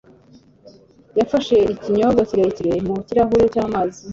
yafashe ikinyobwa kirekire mu kirahure cy'amazi.